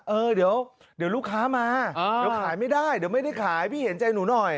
เออเดี๋ยวลูกค้ามาเดี๋ยวขายไม่ได้เดี๋ยวไม่ได้ขายพี่เห็นใจหนูหน่อย